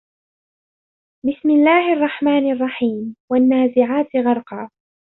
بِسمِ اللَّهِ الرَّحمنِ الرَّحيمِ وَالنّازِعاتِ غَرقًا